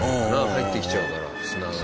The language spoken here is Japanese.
入ってきちゃうから砂が。